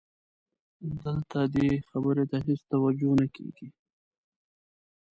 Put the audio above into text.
دلته دې خبرې ته هېڅ توجه نه کېږي.